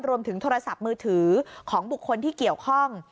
รวมถึงโทรศัพท์มือถือของบุคคลที่เกี่ยวข้อง